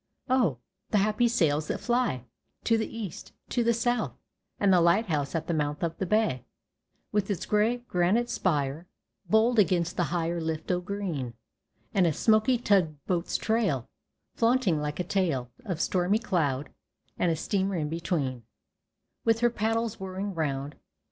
Oh, the happy sails that fly To the east, to the south, And the light house at the mouth Of the bay With its gray Granite spire Bold against the higher Lift o' green, And a smoky tug boat's trail Flaunting like a tail Of stormy cloud, And a steamer in between With her paddles whirring round.